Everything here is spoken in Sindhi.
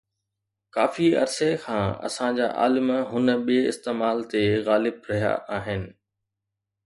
ڪافي عرصي کان اسان جا عالم هن ٻئي استعمال تي غالب رهيا آهن